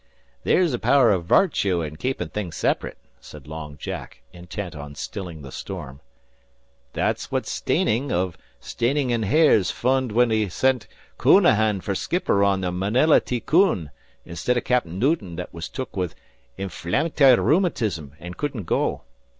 "There's a power av vartue in keepin' things sep'rate," said Long Jack, intent on stilling the storm. "That's fwhat Steyning of Steyning and Hare's f'und when he sent Counahan fer skipper on the Marilla D. Kuhn, instid o' Cap. Newton that was took with inflam'try rheumatism an' couldn't go.